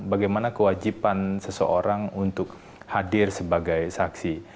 bagaimana kewajiban seseorang untuk hadir sebagai saksi